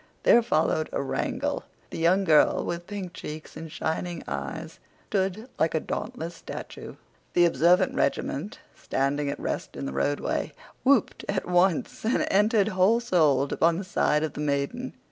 There followed a wrangle. The young girl, with pink cheeks and shining eyes, stood like a dauntless statue. The observant regiment, standing at rest in the roadway, whooped at once, and entered whole souled upon the side of the maiden.